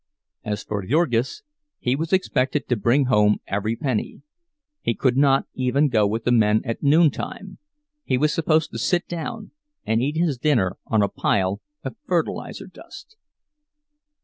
As for Jurgis, he was expected to bring home every penny; he could not even go with the men at noontime—he was supposed to sit down and eat his dinner on a pile of fertilizer dust.